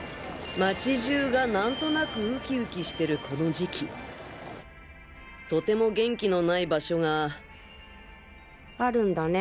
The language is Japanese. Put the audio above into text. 街中がなんとなくウキウキしてるこの時期とても元気のない場所があるんだね。